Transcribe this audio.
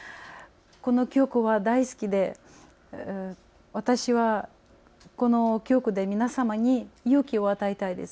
この曲は大好きで私は、この曲で皆様に勇気を与えたいです